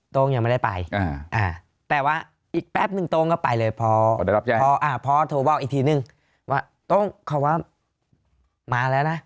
โต้งยังไม่ได้ไปแต่ว่าอีกแป๊บนึงโต้งก็ไปเลยพอโทรบอกอีกทีนึงว่าโต้งคำว่ามาแล้วนะ